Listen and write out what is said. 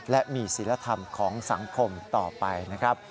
และมีศิลธรรมของสังคมต่อไปนะครับ